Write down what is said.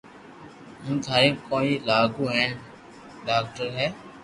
ھون ٿاري ڪوئي لاگو ھين ڌاڪر ھي